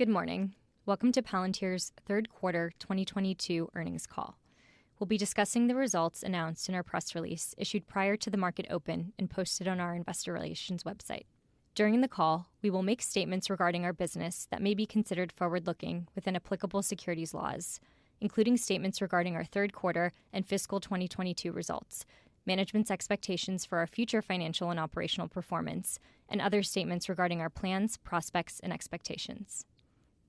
Good morning. Welcome to Palantir's third quarter 2022 earnings call. We'll be discussing the results announced in our press release issued prior to the market open and posted on our investor relations website. During the call, we will make statements regarding our business that may be considered forward-looking within applicable securities laws, including statements regarding our third quarter and fiscal 2022 results, management's expectations for our future financial and operational performance, and other statements regarding our plans, prospects, and expectations.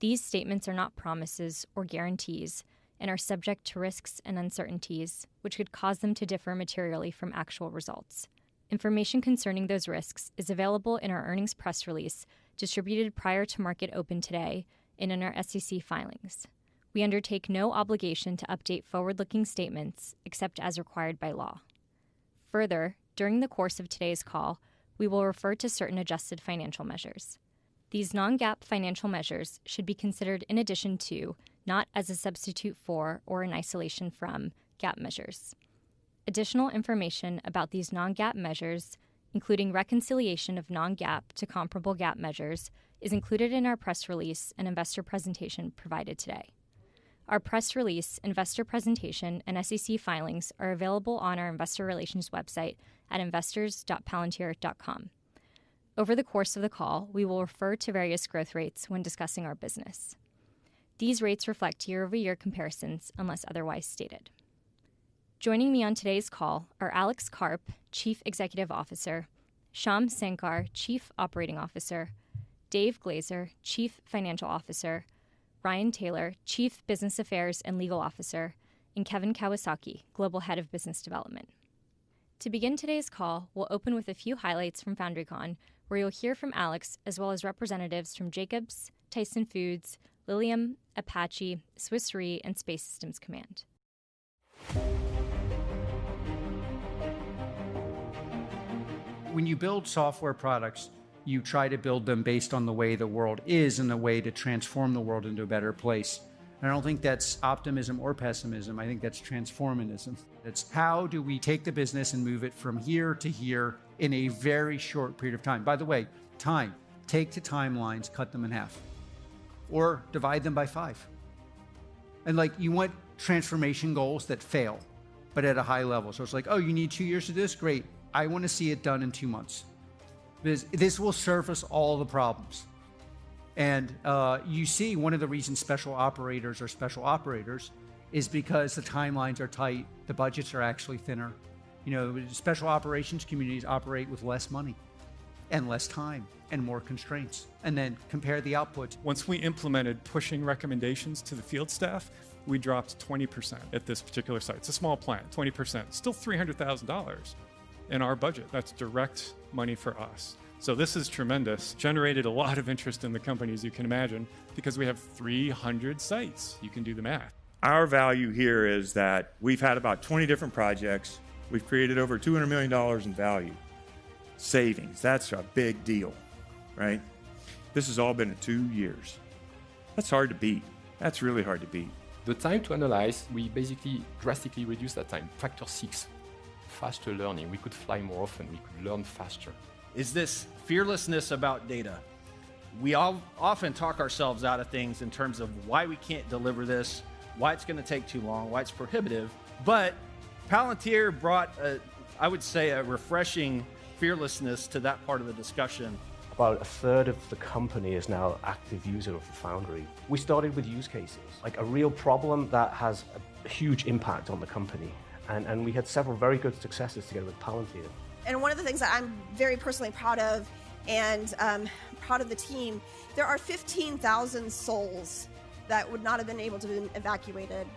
These statements are not promises or guarantees and are subject to risks and uncertainties which could cause them to differ materially from actual results. Information concerning those risks is available in our earnings press release distributed prior to market open today and in our SEC filings. We undertake no obligation to update forward-looking statements except as required by law. Further, during the course of today's call, we will refer to certain adjusted financial measures. These non-GAAP financial measures should be considered in addition to, not as a substitute for or in isolation from, GAAP measures. Additional information about these non-GAAP measures, including reconciliation of non-GAAP to comparable GAAP measures, is included in our press release and investor presentation provided today. Our press release, investor presentation, and SEC filings are available on our investor relations website at investors.palantir.com. Over the course of the call, we will refer to various growth rates when discussing our business. These rates reflect year-over-year comparisons unless otherwise stated. Joining me on today's call are Alex Karp, Chief Executive Officer, Shyam Sankar, Chief Operating Officer, David Glazer, Chief Financial Officer, Ryan Taylor, Chief Business Affairs & Legal Officer, and Kevin Kawasaki, Global Head of Business Development. To begin today's call, we'll open with a few highlights from FoundryCon, where you'll hear from Alex, as well as representatives from Jacobs, Tyson Foods, Lilium, Apache, Swiss Re, and Space Systems Command. When you build software products, you try to build them based on the way the world is and the way to transform the world into a better place. I don't think that's optimism or pessimism. I think that's transformism. It's how do we take the business and move it from here to here in a very short period of time. By the way, time. Take the timelines, cut them in half or divide them by five. Like, you want transformation goals that fail, but at a high level. It's like, "Oh, you need two years to do this? Great. I wanna see it done in two months." This will surface all the problems. You see one of the reasons special operators are special operators is because the timelines are tight, the budgets are actually thinner. You know, special operations communities operate with less money and less time and more constraints, and then compare the outputs. Once we implemented pushing recommendations to the field staff, we dropped 20% at this particular site. It's a small plant, 20%. Still $300,000 in our budget. That's direct money for us. This is tremendous. Generated a lot of interest in the company, as you can imagine, because we have 300 sites. You can do the math. Our value here is that we've had about 20 different projects. We've created over $200 million in value. Savings, that's a big deal, right? This has all been in 2 years. That's hard to beat. That's really hard to beat. The time to analyze, we basically drastically reduced that time, factor six. Faster learning, we could fly more often, we could learn faster. It's this fearlessness about data. We all often talk ourselves out of things in terms of why we can't deliver this, why it's gonna take too long, why it's prohibitive. Palantir brought a, I would say, a refreshing fearlessness to that part of the discussion. About a third of the company is now an active user of Foundry. We started with use cases, like a real problem that has a huge impact on the company. We had several very good successes together with Palantir. One of the things that I'm very personally proud of and proud of the team. There are 15,000 souls that would not have been able to be evacuated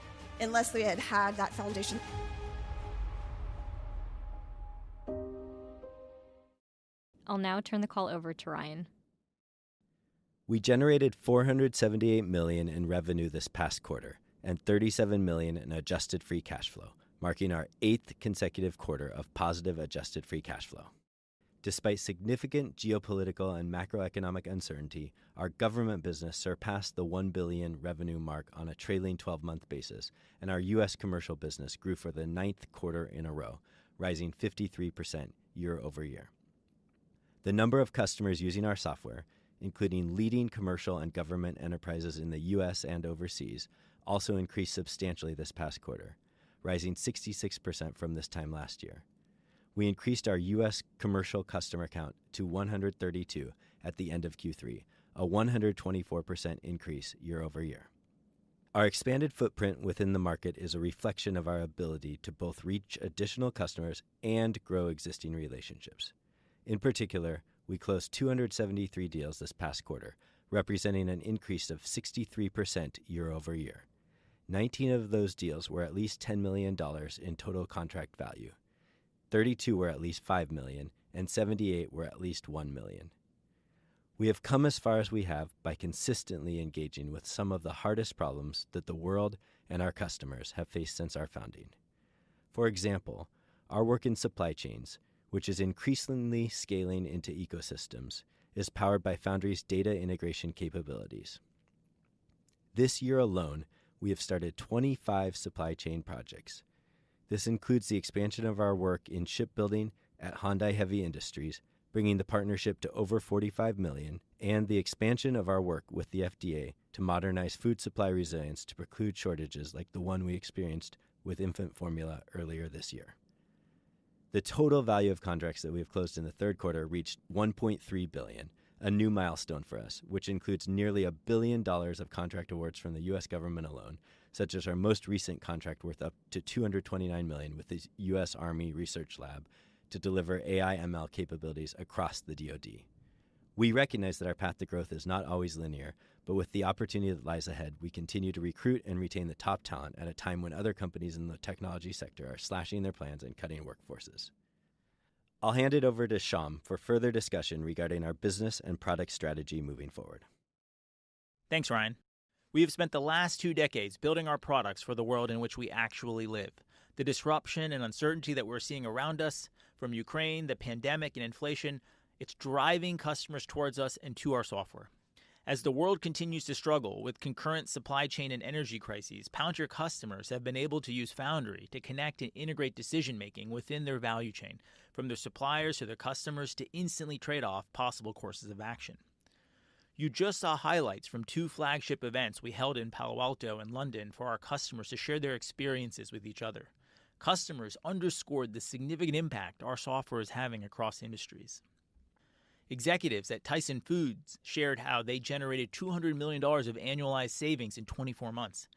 unless they had had that foundation. I'll now turn the call over to Ryan. We generated $478 million in revenue this past quarter and $37 million in adjusted free cash flow, marking our eighth consecutive quarter of positive adjusted free cash flow. Despite significant geopolitical and macroeconomic uncertainty, our government business surpassed the $1 billion revenue mark on a trailing twelve-month basis, and our US commercial business grew for the ninth quarter in a row, rising 53% year-over-year. The number of customers using our software, including leading commercial and government enterprises in the US and overseas, also increased substantially this past quarter, rising 66% from this time last year. We increased our US commercial customer count to 132 at the end of Q3, a 124% increase year-over-year. Our expanded footprint within the market is a reflection of our ability to both reach additional customers and grow existing relationships. In particular, we closed 273 deals this past quarter, representing an increase of 63% year-over-year. Nineteen of those deals were at least $10 million in total contract value, thirty-two were at least $5 million, and seventy-eight were at least $1 million. We have come as far as we have by consistently engaging with some of the hardest problems that the world and our customers have faced since our founding. For example, our work in supply chains, which is increasingly scaling into ecosystems, is powered by Foundry's data integration capabilities. This year alone, we have started 25 supply chain projects. This includes the expansion of our work in shipbuilding at HD Hyundai Heavy Industries, bringing the partnership to over $45 million, and the expansion of our work with the FDA to modernize food supply resilience to preclude shortages like the one we experienced with infant formula earlier this year. The total value of contracts that we have closed in the third quarter reached $1.3 billion, a new milestone for us, which includes nearly $1 billion of contract awards from the U.S. government alone, such as our most recent contract worth up to $229 million with the U.S. Army Research Lab to deliver AI/ML capabilities across the DoD. We recognize that our path to growth is not always linear, but with the opportunity that lies ahead, we continue to recruit and retain the top talent at a time when other companies in the technology sector are slashing their plans and cutting workforces. I'll hand it over to Shyam for further discussion regarding our business and product strategy moving forward. Thanks, Ryan. We have spent the last two decades building our products for the world in which we actually live. The disruption and uncertainty that we're seeing around us from Ukraine, the pandemic, and inflation. It's driving customers towards us and to our software. As the world continues to struggle with concurrent supply chain and energy crises, Palantir customers have been able to use Foundry to connect and integrate decision-making within their value chain, from their suppliers to their customers, to instantly trade off possible courses of action. You just saw highlights from two flagship events we held in Palo Alto and London for our customers to share their experiences with each other. Customers underscored the significant impact our software is having across industries. Executives at Tyson Foods shared how they generated $200 million of annualized savings in 24 months.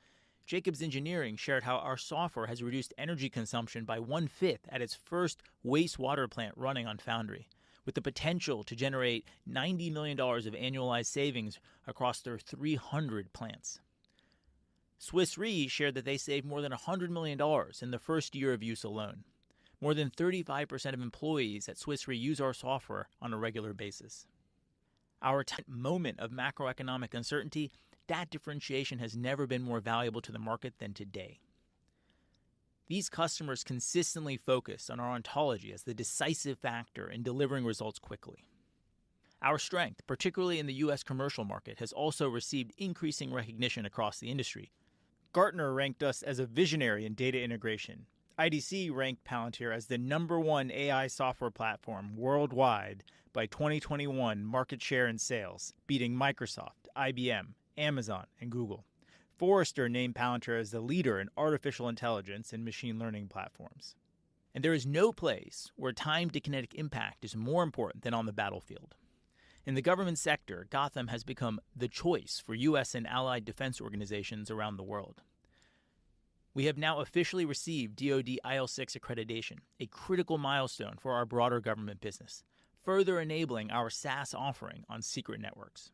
Jacobs Solutions Inc. shared how our software has reduced energy consumption by one-fifth at its first wastewater plant running on Foundry, with the potential to generate $90 million of annualized savings across their 300 plants. Swiss Re Ltd shared that they saved more than $100 million in the first year of use alone. More than 35% of employees at Swiss Re Ltd use our software on a regular basis. In a moment of macroeconomic uncertainty, that differentiation has never been more valuable to the market than today. These customers consistently focus on our ontology as the decisive factor in delivering results quickly. Our strength, particularly in the U.S. commercial market, has also received increasing recognition across the industry. Gartner ranked us as a visionary in data integration. IDC ranked Palantir as the number one AI software platform worldwide by 2021 market share in sales, beating Microsoft, IBM, Amazon and Google. Forrester named Palantir as the leader in artificial intelligence and machine learning platforms. There is no place where time to kinetic impact is more important than on the battlefield. In the government sector, Gotham has become the choice for U.S. and allied defense organizations around the world. We have now officially received DoD IL6 accreditation, a critical milestone for our broader government business, further enabling our SaaS offering on secret networks.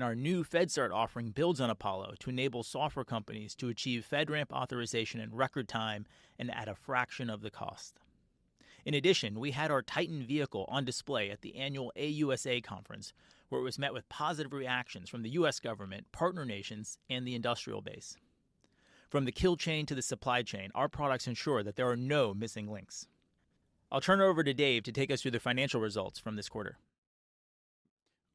Our new FedStart offering builds on Apollo to enable software companies to achieve FedRAMP authorization in record time and at a fraction of the cost. In addition, we had our TITAN vehicle on display at the annual AUSA conference, where it was met with positive reactions from the U.S. government, partner nations, and the industrial base. From the kill chain to the supply chain, our products ensure that there are no missing links. I'll turn it over to Dave to take us through the financial results from this quarter.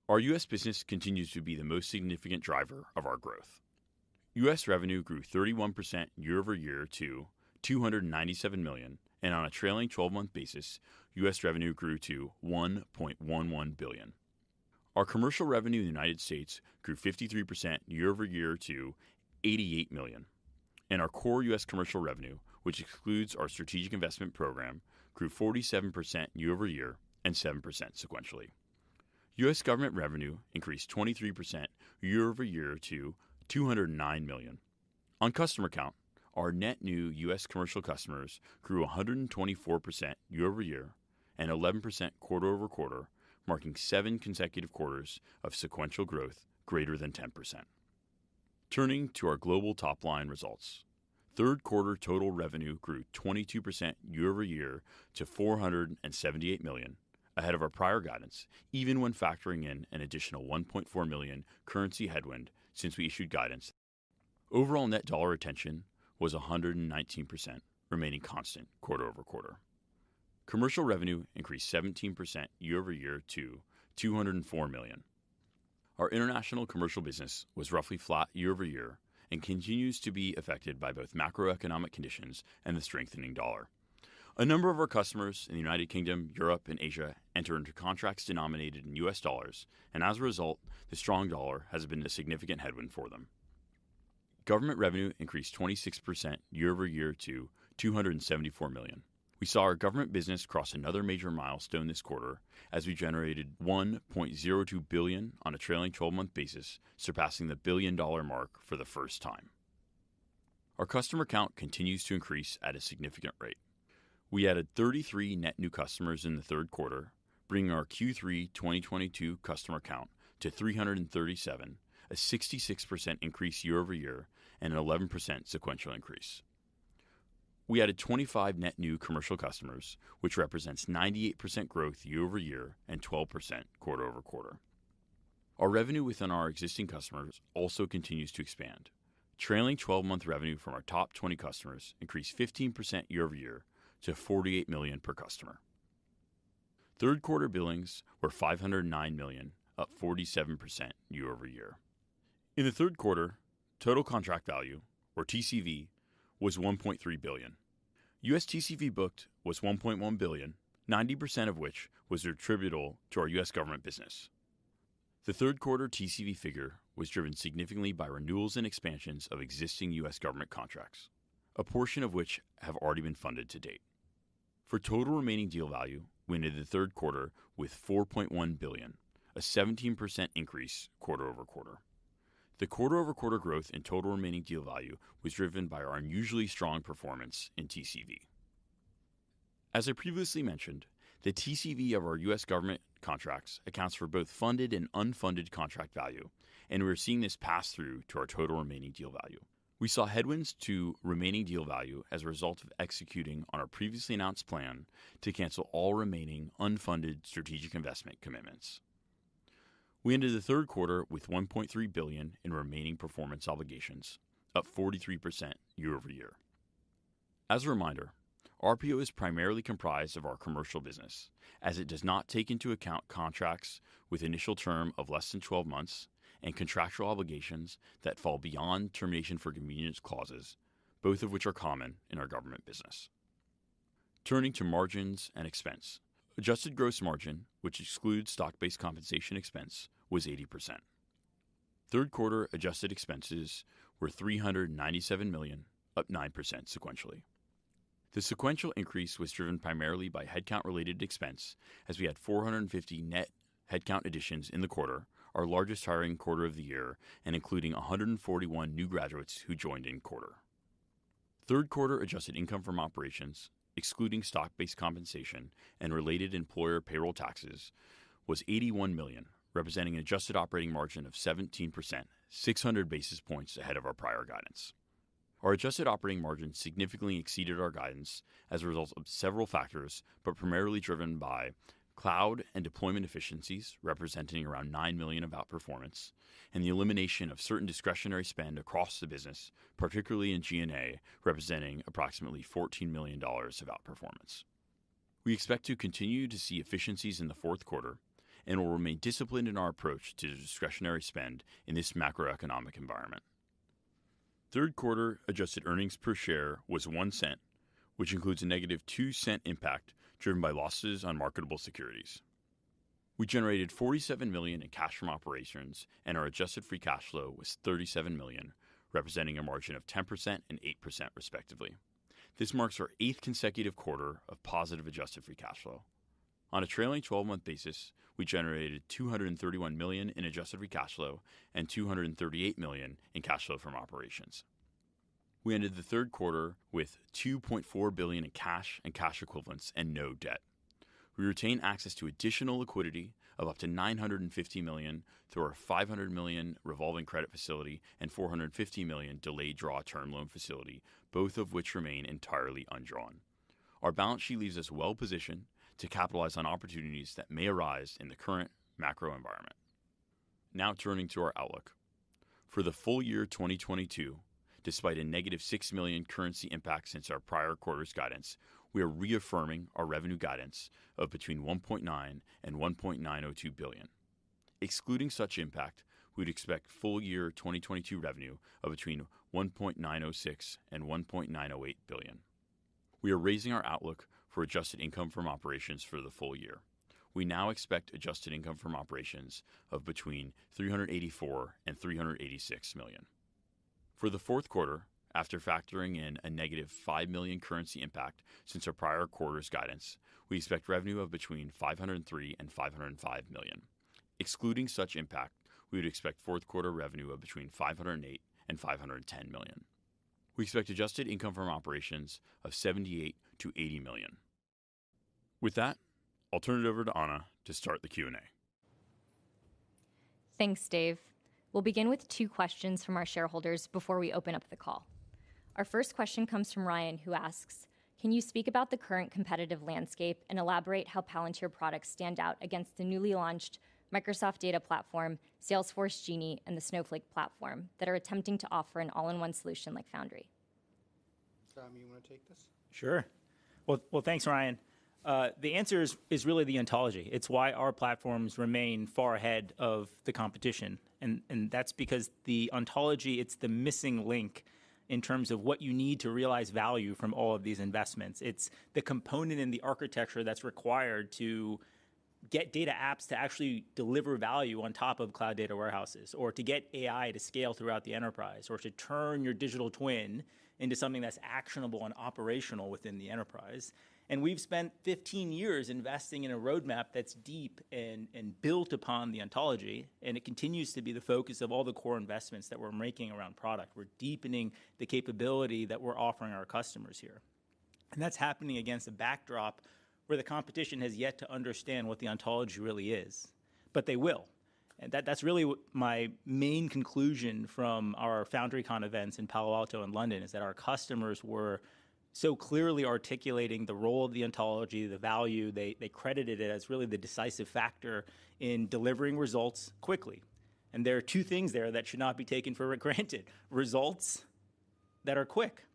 Our U.S. business continues to be the most significant driver of our growth. U.S. revenue grew 31% year-over-year to $297 million, and on a trailing twelve-month basis, U.S. revenue grew to $1.11 billion. Our commercial revenue in the United States grew 53% year-over-year to $88 million. Our core U.S. commercial revenue, which excludes our strategic investment program, grew 47% year-over-year and 7% sequentially. U.S. government revenue increased 23% year-over-year to $209 million. On customer count, our net new U.S. commercial customers grew 124% year-over-year and 11% quarter-over-quarter, marking seven consecutive quarters of sequential growth greater than 10%. Turning to our global top-line results. Third quarter total revenue grew 22% year-over-year to $478 million, ahead of our prior guidance, even when factoring in an additional $1.4 million currency headwind since we issued guidance. Overall net dollar retention was 119%, remaining constant quarter-over-quarter. Commercial revenue increased 17% year-over-year to $204 million. Our international commercial business was roughly flat year-over-year and continues to be affected by both macroeconomic conditions and the strengthening dollar. A number of our customers in the United Kingdom, Europe, and Asia enter into contracts denominated in U.S. dollars, and as a result, the strong dollar has been a significant headwind for them. Government revenue increased 26% year-over-year to $274 million. We saw our government business cross another major milestone this quarter as we generated $1.02 billion on a trailing twelve-month basis, surpassing the billion-dollar mark for the first time. Our customer count continues to increase at a significant rate. We added 33 net new customers in the third quarter, bringing our Q3 2022 customer count to 337, a 66% increase year-over-year and an 11% sequential increase. We added 25 net new commercial customers, which represents 98% growth year-over-year and 12% quarter-over-quarter. Our revenue within our existing customers also continues to expand. Trailing twelve-month revenue from our top 20 customers increased 15% year-over-year to $48 million per customer. Third quarter billings were $509 million, up 47% year-over-year. In the third quarter, total contract value, or TCV, was $1.3 billion. U.S. TCV booked was $1.1 billion, 90% of which was attributable to our U.S. government business. The third quarter TCV figure was driven significantly by renewals and expansions of existing U.S. government contracts, a portion of which have already been funded to date. For total remaining deal value, we ended the third quarter with $4.1 billion, a 17% increase quarter-over-quarter. The quarter-over-quarter growth in total remaining deal value was driven by our unusually strong performance in TCV. As I previously mentioned, the TCV of our U.S. government contracts accounts for both funded and unfunded contract value, and we're seeing this pass through to our total remaining deal value. We saw headwinds to remaining deal value as a result of executing on our previously announced plan to cancel all remaining unfunded strategic investment commitments. We ended the third quarter with $1.3 billion in remaining performance obligations, up 43% year-over-year. As a reminder, RPO is primarily comprised of our commercial business, as it does not take into account contracts with initial term of less than 12 months and contractual obligations that fall beyond termination for convenience clauses, both of which are common in our government business. Turning to margins and expense. Adjusted gross margin, which excludes stock-based compensation expense, was 80%. Third quarter adjusted expenses were $397 million, up 9% sequentially. The sequential increase was driven primarily by headcount-related expense, as we had 450 net headcount additions in the quarter, our largest hiring quarter of the year, and including 141 new graduates who joined in quarter. Third quarter adjusted income from operations, excluding stock-based compensation and related employer payroll taxes, was $81 million, representing an adjusted operating margin of 17%, 600 basis points ahead of our prior guidance. Our adjusted operating margin significantly exceeded our guidance as a result of several factors, but primarily driven by cloud and deployment efficiencies, representing around $9 million of outperformance, and the elimination of certain discretionary spend across the business, particularly in G&A, representing approximately $14 million of outperformance. We expect to continue to see efficiencies in the fourth quarter, and will remain disciplined in our approach to discretionary spend in this macroeconomic environment. Third quarter adjusted earnings per share was $0.01, which includes a negative $0.02 impact driven by losses on marketable securities. We generated $47 million in cash from operations, and our adjusted free cash flow was $37 million, representing a margin of 10% and 8% respectively. This marks our eighth consecutive quarter of positive adjusted free cash flow. On a trailing twelve-month basis, we generated $231 million in adjusted free cash flow and $238 million in cash flow from operations. We ended the third quarter with $2.4 billion in cash and cash equivalents and no debt. We retain access to additional liquidity of up to $950 million through our $500 million revolving credit facility and $450 million delayed draw term loan facility, both of which remain entirely undrawn. Our balance sheet leaves us well-positioned to capitalize on opportunities that may arise in the current macro environment. Now turning to our outlook. For the full year 2022, despite a negative $6 million currency impact since our prior quarter's guidance, we are reaffirming our revenue guidance of between $1.9 billion and $1.902 billion. Excluding such impact, we'd expect full year 2022 revenue of between $1.906 billion and $1.908 billion. We are raising our outlook for adjusted income from operations for the full year. We now expect adjusted income from operations of between $384 million and $386 million. For the fourth quarter, after factoring in a negative $5 million currency impact since our prior quarter's guidance, we expect revenue of between $503 million and $505 million. Excluding such impact, we would expect fourth quarter revenue of between $508 million and $510 million. We expect adjusted income from operations of $78 million-$80 million. With that, I'll turn it over to Ana to start the Q&A. Thanks, Dave. We'll begin with two questions from our shareholders before we open up the call. Our first question comes from Ryan, who asks, "Can you speak about the current competitive landscape and elaborate how Palantir products stand out against the newly launched Microsoft Intelligent Data Platform, Salesforce Genie, and the Snowflake platform that are attempting to offer an all-in-one solution like Foundry? Shyam, you wanna take this? Sure. Well, thanks, Ryan. The answer is really the ontology. It's why our platforms remain far ahead of the competition, and that's because the ontology, it's the missing link in terms of what you need to realize value from all of these investments. It's the component in the architecture that's required to get data apps to actually deliver value on top of cloud data warehouses, or to get AI to scale throughout the enterprise, or to turn your digital twin into something that's actionable and operational within the enterprise. We've spent 15 years investing in a roadmap that's deep and built upon the ontology, and it continues to be the focus of all the core investments that we're making around product. We're deepening the capability that we're offering our customers here. That's happening against a backdrop where the competition has yet to understand what the ontology really is, but they will. That, that's really my main conclusion from our FoundryCon events in Palo Alto and London is that our customers were so clearly articulating the role of the ontology, the value. They credited it as really the decisive factor in delivering results quickly. There are two things there that should not be taken for granted. Results that are quick.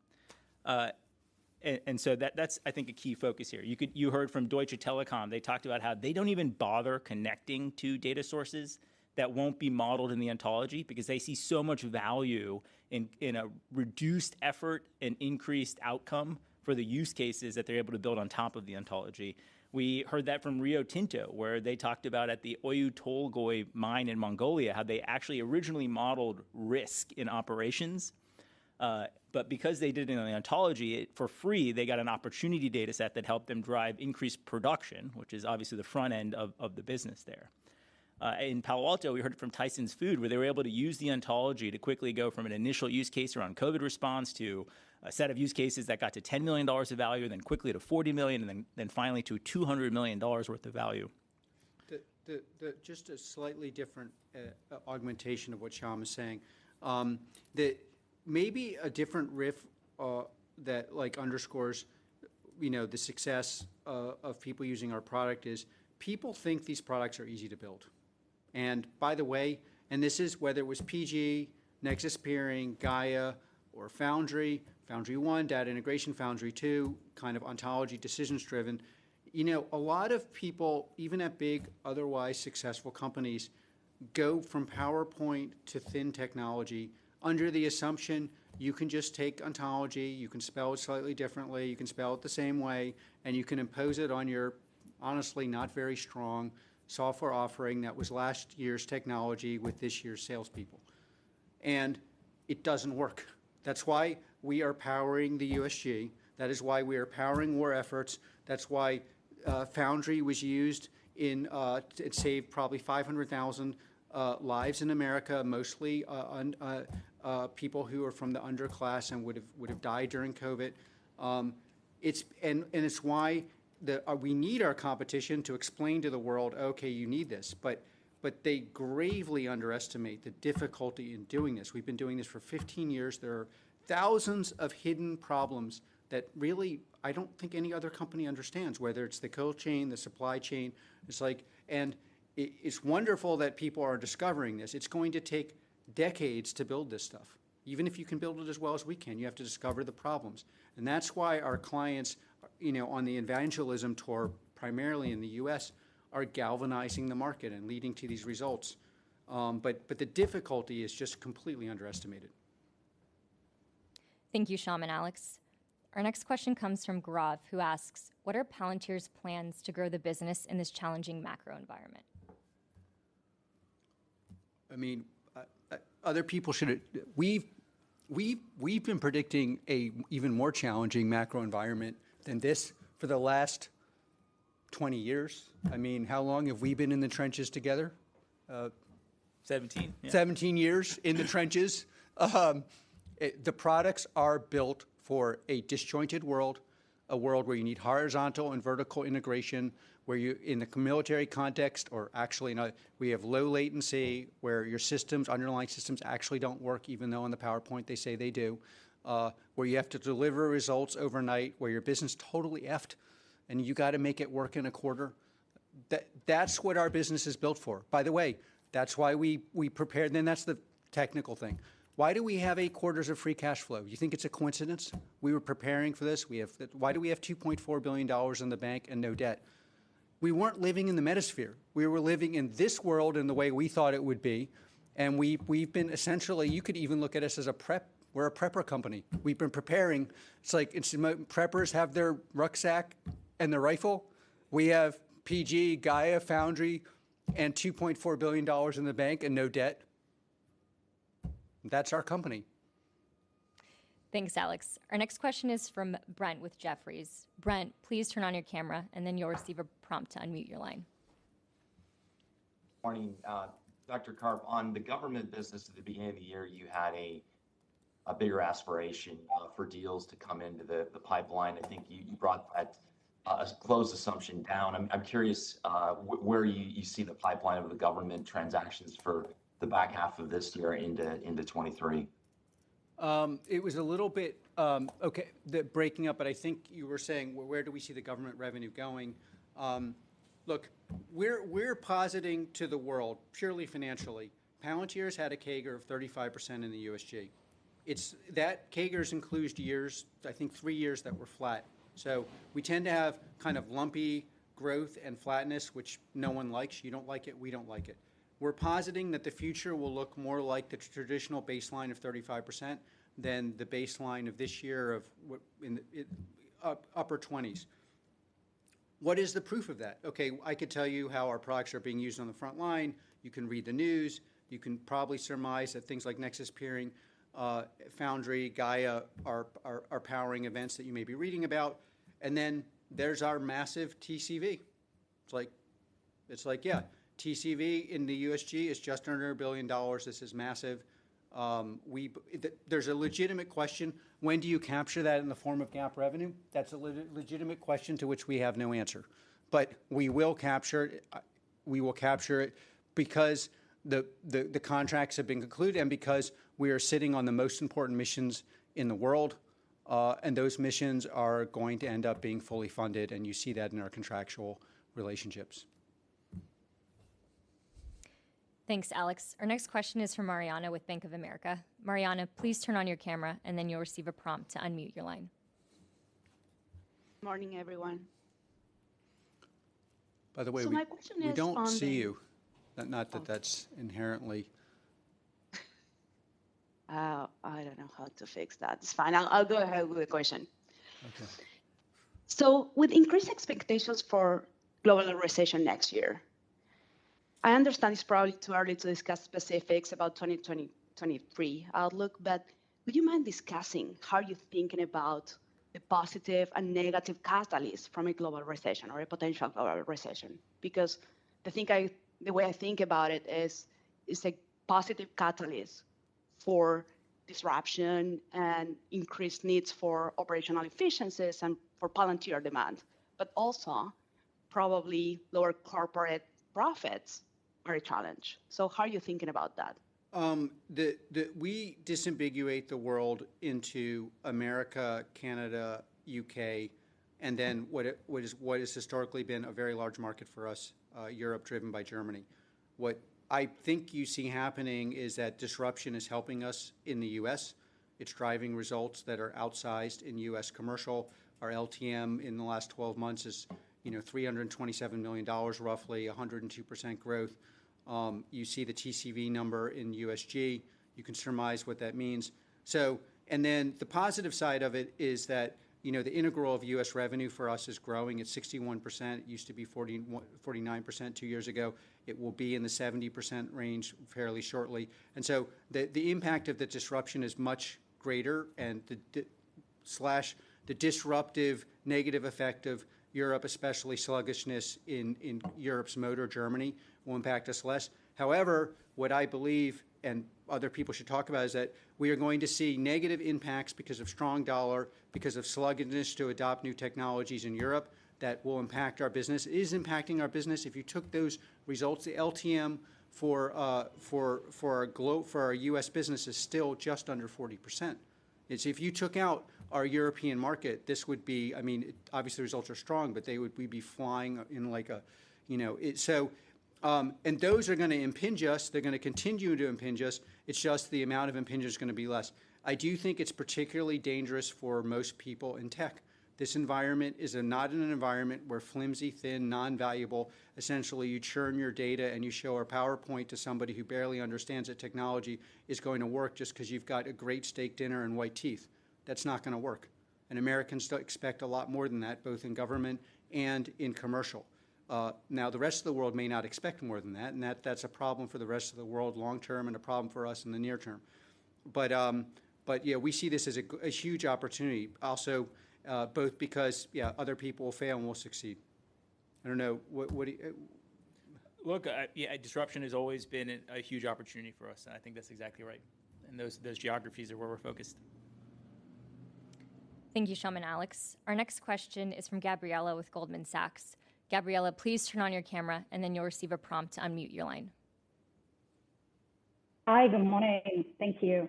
So that's I think a key focus here. You heard from Deutsche Telekom, they talked about how they don't even bother connecting to data sources that won't be modeled in the ontology because they see so much value in a reduced effort and increased outcome for the use cases that they're able to build on top of the ontology. We heard that from Rio Tinto, where they talked about at the Oyu Tolgoi mine in Mongolia, how they actually originally modeled risk in operations. Because they did it in the ontology for free, they got an opportunity data set that helped them drive increased production, which is obviously the front end of the business there. In Palo Alto, we heard it from Tyson Foods, where they were able to use the ontology to quickly go from an initial use case around COVID response to a set of use cases that got to $10 million of value, then quickly to $40 million, and then finally to $200 million worth of value. Just a slightly different augmentation of what Shyam is saying. Maybe a different riff that like underscores, you know, the success of people using our product is, people think these products are easy to build. By the way, this is whether it was PG, Nexus Peering, Gaia, or Foundry 1, data integration Foundry 2, kind of ontology decisions driven. You know, a lot of people, even at big otherwise successful companies, go from PowerPoint to thin technology under the assumption you can just take ontology, you can spell it slightly differently, you can spell it the same way, and you can impose it on your honestly not very strong software offering that was last year's technology with this year's salespeople. It doesn't work. That's why we are powering the USG. That is why we are powering war efforts. That's why Foundry was used in it saved probably 500,000 lives in America, mostly people who are from the underclass and would've died during COVID. It's, and it's why we need our competition to explain to the world, "Okay, you need this." But they gravely underestimate the difficulty in doing this. We've been doing this for 15 years. There are thousands of hidden problems that really I don't think any other company understands, whether it's the code chain, the supply chain. It's like. It's wonderful that people are discovering this. It's going to take decades to build this stuff. Even if you can build it as well as we can, you have to discover the problems. That's why our clients, you know, on the evangelism tour, primarily in the U.S., are galvanizing the market and leading to these results. But the difficulty is just completely underestimated. Thank you, Shyam and Alex. Our next question comes from Gaurav, who asks, "What are Palantir's plans to grow the business in this challenging macro environment? I mean, other people should have. We've been predicting an even more challenging macro environment than this for the last 20 years. I mean, how long have we been in the trenches together? 17. Yeah. Seventeen years in the trenches. The products are built for a disjointed world, a world where you need horizontal and vertical integration, where you, in the military context, or actually, no, we have low latency, where your systems, underlying systems actually don't work even though on the PowerPoint they say they do, where you have to deliver results overnight, where your business totally effed and you gotta make it work in a quarter. That's what our business is built for. By the way, that's why we prepared. That's the technical thing. Why do we have eight quarters of free cash flow? Do you think it's a coincidence? We were preparing for this. We have. Why do we have $2.4 billion in the bank and no debt? We weren't living in the metaverse. We were living in this world in the way we thought it would be, and we've been essentially, you could even look at us as a prepper. We're a prepper company. We've been preparing. It's like preppers have their rucksack and their rifle. We have Gotham, Gaia, Foundry, and $2.4 billion in the bank and no debt. That's our company. Thanks, Alex. Our next question is from Brent with Jefferies. Brent, please turn on your camera, and then you'll receive a prompt to unmute your line. Morning. Dr. Karp, on the government business at the beginning of the year, you had a bigger aspiration for deals to come into the pipeline. I think you brought that close assumption down. I'm curious where you see the pipeline of the government transactions for the back half of this year into 2023. It was a little bit of breaking up, but I think you were saying where do we see the government revenue going? Look, we're positing to the world purely financially. Palantir's had a CAGR of 35% in the USG. It's. That CAGR includes years, I think three years that were flat. We tend to have kind of lumpy growth and flatness, which no one likes. You don't like it, we don't like it. We're positing that the future will look more like the traditional baseline of 35% than the baseline of this year of what, upper 20s. What is the proof of that? Okay, I could tell you how our products are being used on the front line. You can read the news. You can probably surmise that things like Nexus Peering, Foundry, Gaia are powering events that you may be reading about. There's our massive TCV. It's like, yeah, TCV in the USG is just under $1 billion. This is massive. There's a legitimate question, when do you capture that in the form of GAAP revenue? That's a legitimate question to which we have no answer. We will capture it. We will capture it because the contracts have been concluded and because we are sitting on the most important missions in the world, and those missions are going to end up being fully funded, and you see that in our contractual relationships. Thanks, Alex. Our next question is from Mariana with Bank of America. Mariana, please turn on your camera, and then you'll receive a prompt to unmute your line. Morning, everyone. By the way. My question is on the- We don't see you. Not that that's inherently. Oh, I don't know how to fix that. It's fine. I'll go ahead with the question. Okay. With increased expectations for global recession next year, I understand it's probably too early to discuss specifics about 2023 outlook, but would you mind discussing how you're thinking about the positive and negative catalysts from a global recession or a potential global recession? Because the way I think about it is, it's a positive catalyst for disruption and increased needs for operational efficiencies and for Palantir demand, but also probably lower corporate profits are a challenge. How are you thinking about that? We disambiguate the world into America, Canada, UK, and then what has historically been a very large market for us, Europe driven by Germany. What I think you see happening is that disruption is helping us in the US. It's driving results that are outsized in US commercial. Our LTM in the last 12 months is, you know, $327 million, roughly 102% growth. You see the TCV number in USG. You can surmise what that means. The positive side of it is that, you know, the integral of US revenue for us is growing at 61%. It used to be 49% 2 years ago. It will be in the 70% range fairly shortly. The impact of the disruption is much greater and the disruptive negative effect of Europe, especially sluggishness in Europe's motor Germany, will impact us less. However, what I believe and other people should talk about is that we are going to see negative impacts because of strong dollar, because of sluggishness to adopt new technologies in Europe that will impact our business. It is impacting our business. If you took those results, the LTM for our US business is still just under 40%. If you took out our European market, this would be, I mean, obviously the results are strong, but we'd be flying in like a, you know. Those are gonna impact us. They're gonna continue to impact us. It's just the amount of impact is gonna be less. I do think it's particularly dangerous for most people in tech. This environment is not an environment where flimsy, thin, non-valuable, essentially you churn your data and you show a PowerPoint to somebody who barely understands that technology is going to work just 'cause you've got a great steak dinner and white teeth. That's not gonna work. Americans expect a lot more than that, both in government and in commercial. Now the rest of the world may not expect more than that, and that's a problem for the rest of the world long term and a problem for us in the near term. We see this as a huge opportunity also, both because, yeah, other people fail and we'll succeed. I don't know, what do y- Look, yeah, disruption has always been a huge opportunity for us, and I think that's exactly right. Those geographies are where we're focused. Thank you, Shyam, Alex. Our next question is from Gabriela with Goldman Sachs. Gabriela, please turn on your camera, and then you'll receive a prompt to unmute your line. Hi, good morning. Thank you.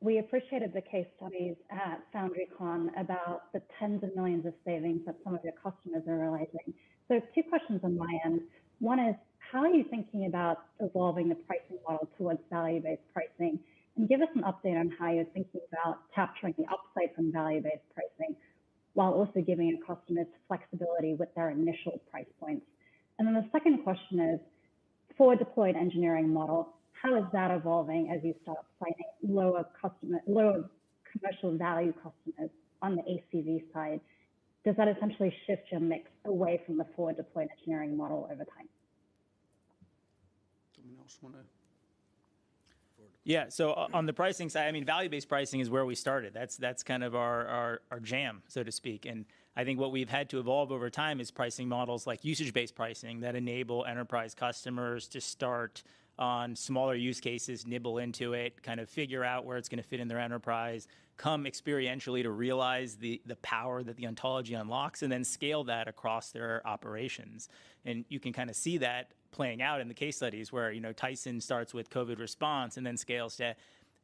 We appreciated the case studies at FoundryCon about the tens of millions of savings that some of your customers are realizing. Two questions on my end. One is, how are you thinking about evolving the pricing model towards value-based pricing? Give us an update on how you're thinking about capturing the upside from value-based pricing while also giving customers flexibility with their initial price points. The second question is, for Forward Deployed Engineering model, how is that evolving as you start pricing lower customer, lower commercial value customers on the ACV side? Does that essentially shift your mix away from the Forward Deployed Engineering model over time? Someone else wanna. Yeah. On the pricing side, I mean, value-based pricing is where we started. That's kind of our jam, so to speak. I think what we've had to evolve over time is pricing models like usage-based pricing that enable enterprise customers to start on smaller use cases, nibble into it, kind of figure out where it's gonna fit in their enterprise, come experientially to realize the power that the ontology unlocks, and then scale that across their operations. You can kinda see that playing out in the case studies where, you know, Tyson starts with COVID response and then scales to,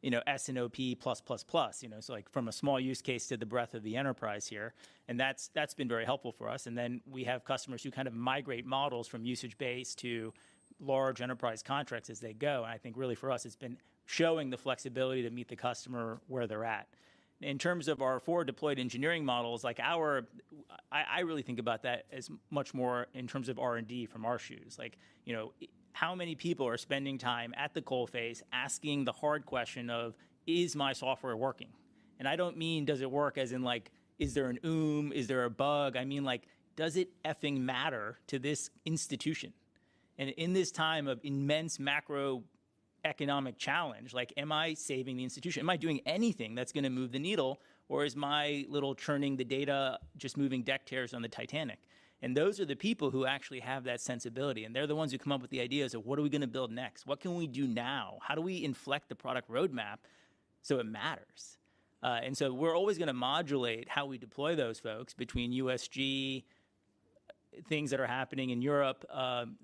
you know, S&OP plus, plus. You know, so like from a small use case to the breadth of the enterprise here, and that's been very helpful for us. We have customers who kind of migrate models from usage-based to large enterprise contracts as they go. I think really for us, it's been showing the flexibility to meet the customer where they're at. In terms of our Forward Deployed Engineering models, I really think about that as much more in terms of R&D from our shoes. Like, you know, how many people are spending time at the coalface asking the hard question of, "Is my software working?" I don't mean does it work as in like, is there an OOM? Is there a bug? I mean, like, does it effing matter to this institution? In this time of immense macroeconomic challenge, like am I saving the institution? Am I doing anything that's gonna move the needle, or is my little churning the data just moving deckchairs on the Titanic? Those are the people who actually have that sensibility, and they're the ones who come up with the ideas of what are we gonna build next? What can we do now? How do we inflect the product roadmap so it matters? We're always gonna modulate how we deploy those folks between USG, things that are happening in Europe,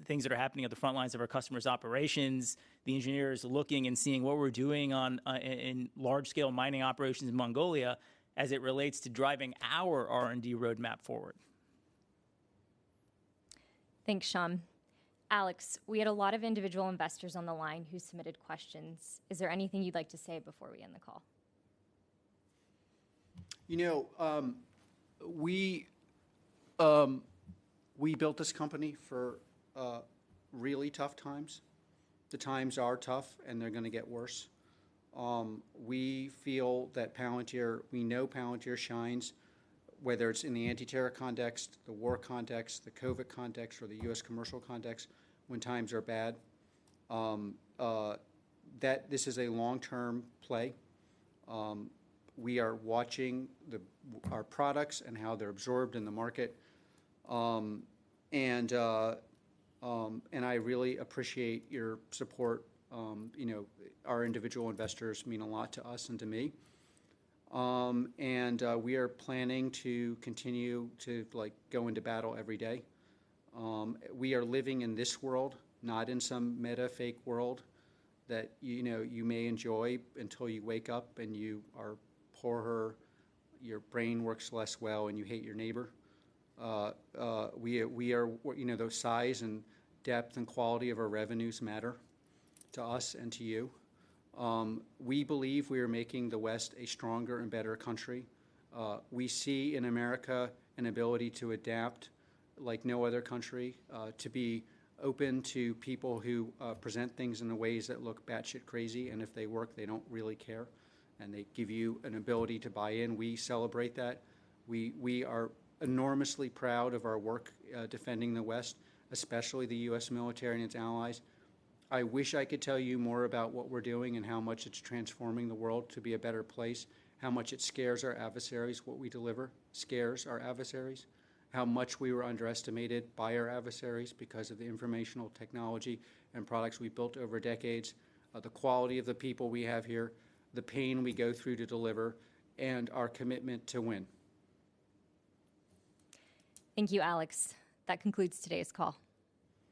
things that are happening at the front lines of our customers' operations, the engineers looking and seeing what we're doing in large-scale mining operations in Mongolia as it relates to driving our R&D roadmap forward. Thanks, Shyam. Alex, we had a lot of individual investors on the line who submitted questions. Is there anything you'd like to say before we end the call? You know, we built this company for really tough times. The times are tough, and they're gonna get worse. We know Palantir shines, whether it's in the anti-terror context, the war context, the COVID context, or the U.S. commercial context when times are bad. That this is a long-term play. We are watching our products and how they're absorbed in the market. I really appreciate your support. You know, our individual investors mean a lot to us and to me. We are planning to continue to like go into battle every day. We are living in this world, not in some meta fake world that, you know, you may enjoy until you wake up and you are poorer, your brain works less well, and you hate your neighbor. Those size and depth and quality of our revenues matter to us and to you. We believe we are making the West a stronger and better country. We see in America an ability to adapt like no other country, to be open to people who present things in the ways that look batshit crazy, and if they work, they don't really care, and they give you an ability to buy in. We celebrate that. We are enormously proud of our work defending the West, especially the U.S. military and its allies. I wish I could tell you more about what we're doing and how much it's transforming the world to be a better place, how much it scares our adversaries, what we deliver scares our adversaries, how much we were underestimated by our adversaries because of the information technology and products we built over decades, the quality of the people we have here, the pain we go through to deliver, and our commitment to win. Thank you, Alex. That concludes today's call.